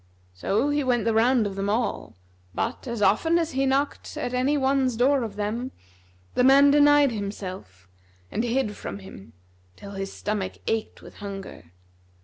So he went the round of them all; but, as often as he knocked at any one's door of them, the man denied himself and hid from him, till his stomach ached with hunger.